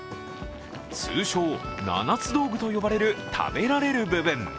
通称、７つ道具と呼ばれる食べられる部分。